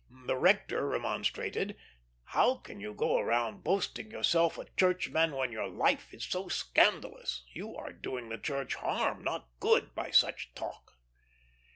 The rector remonstrated. ", how can you go round boasting yourself a churchman when your life is so scandalous? You are doing the Church harm, not good, by such talk."